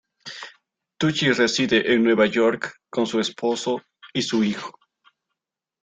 Tucci reside en Nueva York, con su esposo y su hijo.